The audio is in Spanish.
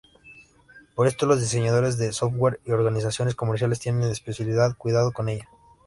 Por esto, los diseñadores de software y organizaciones comerciales tienen especial cuidado con ella.